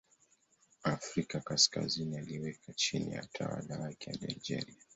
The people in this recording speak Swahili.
Afrika ya Kaskazini aliweka chini ya utawala wake hadi Algeria.